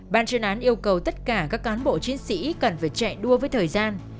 ban chuyên án yêu cầu tất cả các cán bộ chiến sĩ cần phải chạy đua với thời gian